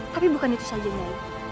tapi bukan itu saja